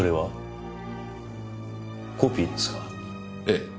ええ。